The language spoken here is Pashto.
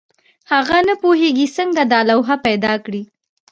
هغه نه پوهېږي څنګه دا لوحه پیدا کړي.